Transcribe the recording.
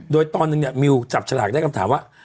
โดยตอนนึงเนี่ยมิวจับฉลากได้คำถามว่า